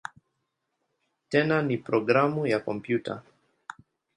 Tena ni programu ya kompyuta.